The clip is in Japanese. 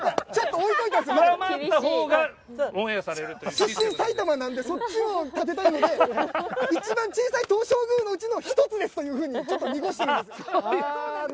出身埼玉なんでそっちを立てたいので「一番小さい東照宮のうちの一つです」というふうにちょっと濁してるんです。